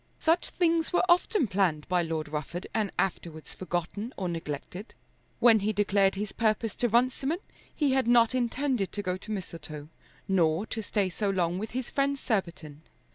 Such things were often planned by Lord Rufford, and afterwards forgotten or neglected. When he declared his purpose to Runciman, he had not intended to go to Mistletoe, nor to stay so long with his friend Surbiton.